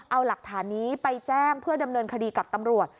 เอาหลักฐานนี้ไปแจ้งเพื่อดำเนินคดีกับตำรวจ